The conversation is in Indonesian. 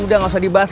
udah gak usah dibahas